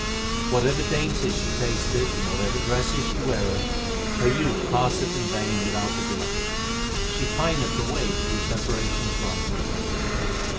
Whatever dainties she tasteth and whatever dresses she weareth, Her youth passeth in vain without her Beloved ; she pineth away through separation from Him.